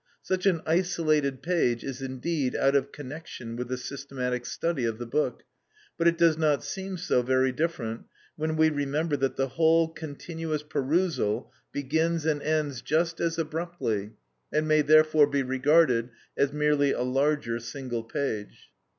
Such an isolated page is indeed out of connection with the systematic study of the book, but it does not seem so very different when we remember that the whole continuous perusal begins and ends just as abruptly, and may therefore be regarded as merely a larger single page.